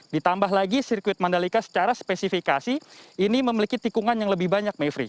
ditambah lagi sirkuit mandalika secara spesifikasi ini memiliki tikungan yang lebih banyak mevri